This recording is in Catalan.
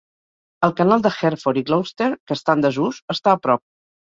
El Canal de Hereford i Gloucester que està en desús, està a prop.